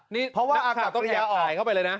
นี่นักศัพท์ต้องแหลกหายเข้าไปเลยนะ